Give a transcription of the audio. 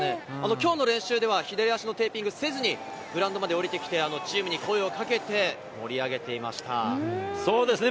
きょうの練習では、左足のテーピングせずに、グラウンドまで下りてきて、チームに声をかけて、盛り上げてそうですね。